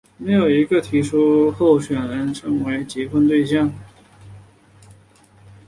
没有一个提出的候选人称为结婚对象。